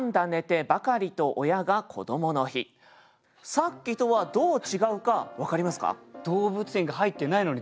さっきとはどう違うか分かりますか？